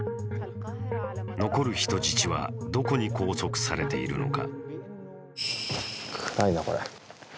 残る人質はどこに拘束されているのか。